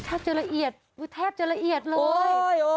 เท่าเจ้าระเอียดแทบเจ้าระเอียดเลย